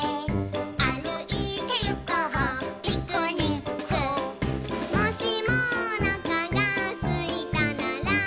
「あるいてゆこうピクニック」「もしもおなかがすいたなら」